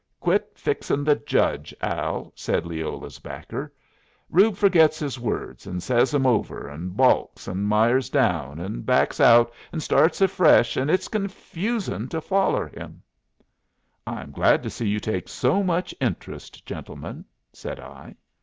"Quit fixing' the judge, Al," said Leola's backer. "Reub forgets his words, an' says 'em over, an' balks, an' mires down, an' backs out, an starts fresh, en' it's confusin' to foller him." "I'm glad to see you take so much interest, gentlemen," said I.